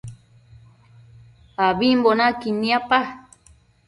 Ambimbo naquid niapa